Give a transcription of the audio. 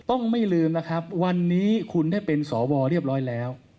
ไม่ลืมนะครับวันนี้คุณได้เป็นสวเรียบร้อยแล้ว